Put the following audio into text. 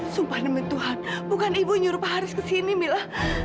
sumpah demi tuhan bukan ibu nyuruh pak haris kesini mila